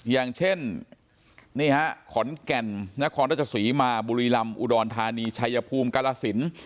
อย่างเช่นนี่ฮะขอนแก่นนครราชสีมาบุรีลำอุดรธานีชัยภูมิกาลสิน